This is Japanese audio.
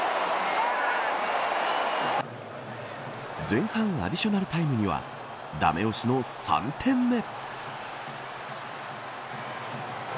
前半アディショナルタイムにはダメ押しの３点目。